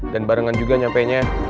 dan barengan juga nyampe